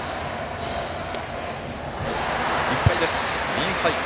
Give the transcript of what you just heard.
インハイ。